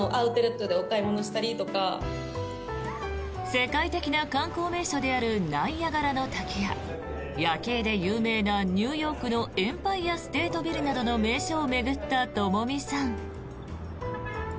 世界的な観光名所であるナイアガラの滝や夜景で有名なニューヨークのエンパイアステートビルなどの名所を巡った、ともみさん。